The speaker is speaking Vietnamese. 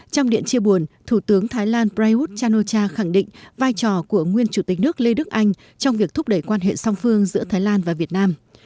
trong điện chia buồn thủ tướng thái lan prayuth chan o cha khẳng định vai trò của nguyên chủ tịch nước lê đức anh trong việc thúc đẩy quan hệ song phương giữa thái lan và việt nam